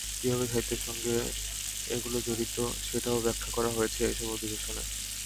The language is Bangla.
কীভাবে সাহিত্যের সঙ্গে এগুলো জড়িত, সেটাও ব্যাখ্যা করা হয়েছে এসব অধিবেশনে।